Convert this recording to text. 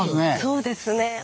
そうですね。